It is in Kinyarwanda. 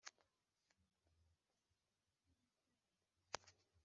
afata munezero aramwiyegamiza undi na we arakunda